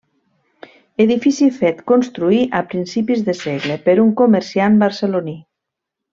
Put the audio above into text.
Edifici fet construir a principis de segle per un comerciant barceloní.